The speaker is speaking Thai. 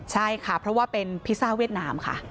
ใช่ค่ะเพราะว่าเป็นพิซซ่าเวียดนามค่ะ